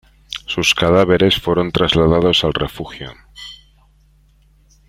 Sus cadáveres fueron trasladados al refugio.